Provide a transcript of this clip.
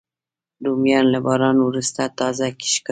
رومیان له باران وروسته تازه ښکاري